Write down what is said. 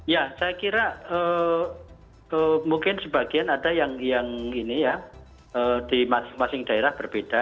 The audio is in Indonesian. ya saya kira mungkin sebagian ada yang ini ya di masing masing daerah berbeda